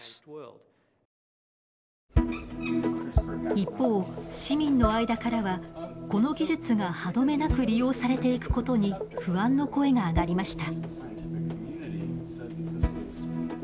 一方市民の間からはこの技術が歯止めなく利用されていくことに不安の声が上がりました。